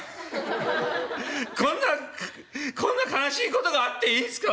こんなこんな悲しいことがあっていいんすか？